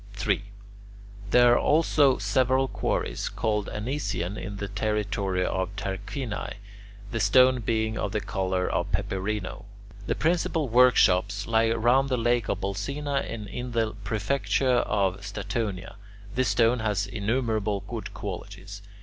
3. There are also several quarries called Anician in the territory of Tarquinii, the stone being of the colour of peperino. The principal workshops lie round the lake of Bolsena and in the prefecture of Statonia. This stone has innumerable good qualities.